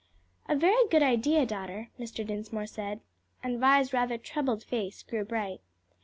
"A very good idea, daughter," Mr. Dinsmore said, and Vi's rather troubled face grew bright.